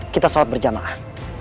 kita sholat berjamaah